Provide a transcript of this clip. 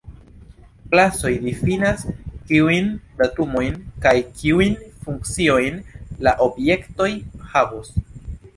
Klasoj difinas kiujn datumojn kaj kiujn funkciojn la objektoj havos.